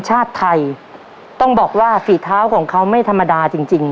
ชาติไทยต้องบอกว่าฝีเท้าของเขาไม่ธรรมดาจริงจริง